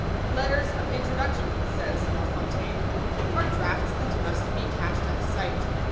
] Letters of introduction, says La Fontaine, "are drafts that must be cashed at sight."